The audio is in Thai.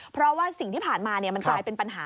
เพราะว่าสิ่งที่ผ่านมามันกลายเป็นปัญหา